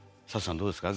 どうですか？